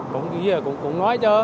cũng như vậy cũng nói cho